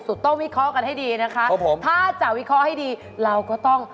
ต้องวิเคราะห์กันให้ดีนะคะครับผมถ้าจะวิเคราะห์ให้ดีเราก็ต้อง